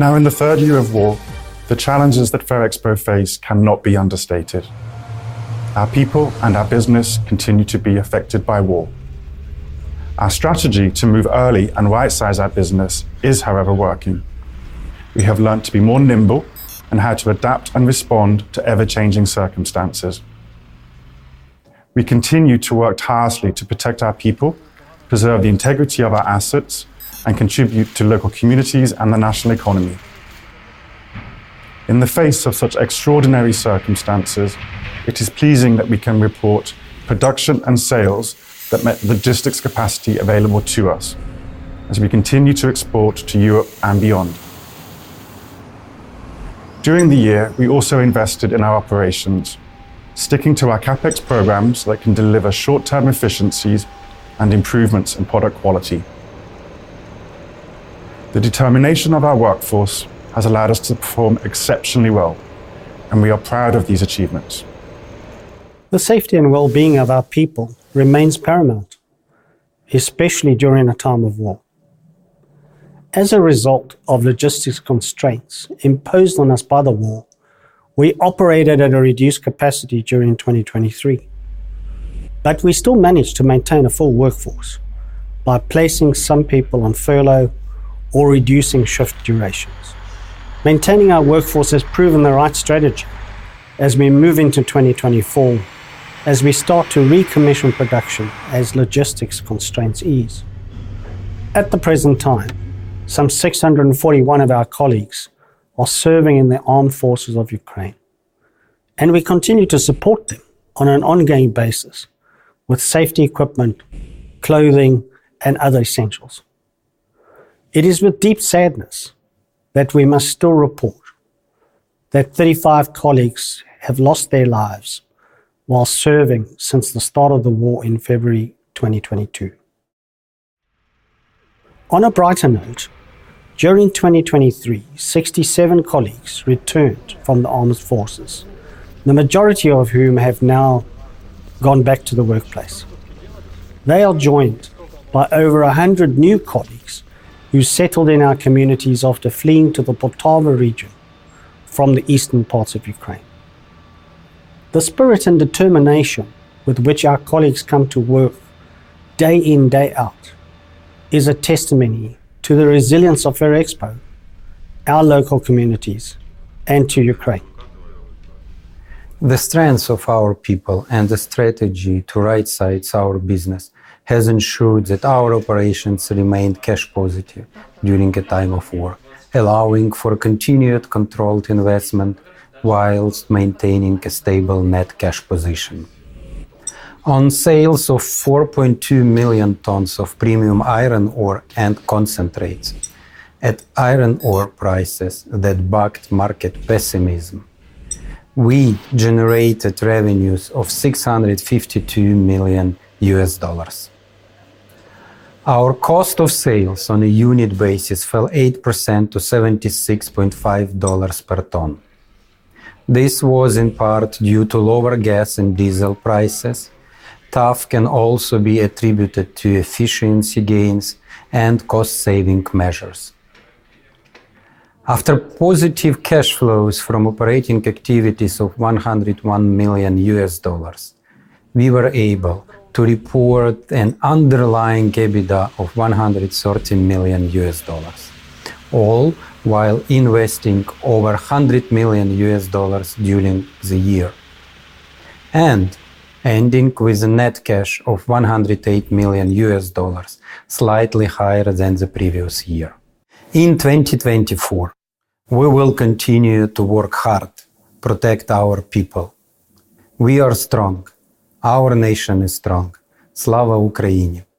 Now in the third year of war, the challenges that Ferrexpo face cannot be understated. Our people and our business continue to be affected by war. Our strategy to move early and right-size our business is, however, working. We have learned to be more nimble and how to adapt and respond to ever-changing circumstances. We continue to work tirelessly to protect our people, preserve the integrity of our assets, and contribute to local communities and the national economy. In the face of such extraordinary circumstances, it is pleasing that we can report production and sales that met logistics capacity available to us as we continue to export to Europe and beyond. During the year, we also invested in our operations, sticking to our CapEx programs that can deliver short-term efficiencies and improvements in product quality. The determination of our workforce has allowed us to perform exceptionally well, and we are proud of these achievements. The safety and well-being of our people remains paramount, especially during a time of war. As a result of logistics constraints imposed on us by the war, we operated at a reduced capacity during 2023, but we still managed to maintain a full workforce by placing some people on furlough or reducing shift durations. Maintaining our workforce has proven the right strategy as we move into 2024, as we start to recommission production as logistics constraints ease. At the present time, some 641 of our colleagues are serving in the Armed Forces of Ukraine, and we continue to support them on an ongoing basis with safety equipment, clothing, and other essentials. It is with deep sadness that we must still report that 35 colleagues have lost their lives while serving since the start of the war in February 2022. On a brighter note, during 2023, 67 colleagues returned from the armed forces, the majority of whom have now gone back to the workplace. They are joined by over 100 new colleagues who settled in our communities after fleeing to the Poltava region from the eastern parts of Ukraine. The spirit and determination with which our colleagues come to work day in, day out, is a testimony to the resilience of Ferrexpo, our local communities, and to Ukraine. The strength of our people and the strategy to right-size our business has ensured that our operations remained cash positive during a time of war, allowing for continued controlled investment whilst maintaining a stable net cash position. On sales of 4.2 million tons of premium iron ore and concentrates at iron ore prices that bucked market pessimism, we generated revenues of $652 million. Our cost of sales on a unit basis fell 8% to $76.5 per ton. This was in part due to lower gas and diesel prices, though can also be attributed to efficiency gains and cost-saving measures. After positive cash flows from operating activities of $101 million, we were able to report an underlying EBITDA of $130 million, all while investing over $100 million during the year, and ending with a net cash of $108 million, slightly higher than the previous year. In 2024, we will continue to work hard, protect our people. We are strong. Our nation is strong. Slava Ukraini!